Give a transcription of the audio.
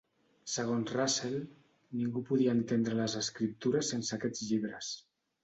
Segons Russell, ningú podia entendre les escriptures sense aquests llibres.